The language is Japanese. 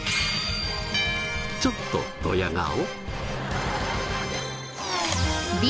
ちょっとドヤ顔？